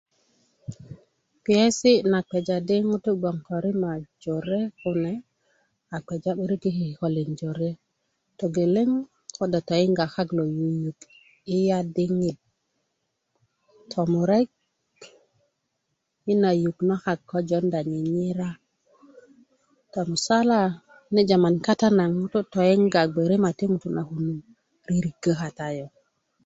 Kpiyesi na kpeja di ŋutu bgoŋ ko rima jore kune a kpeja 'börik i kikölin jore togeleŋ kodo toyinga kak lo yuyuk iya diŋit tomurek i na yuk nak jonda ŋiŋira tomusala ne jaman kata ŋutu toyinga bge rima ti ŋutu kune ririgo kata yu